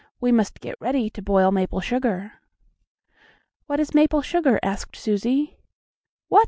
We must get ready to boil maple sugar." "What is maple sugar?" asked Susie. "What?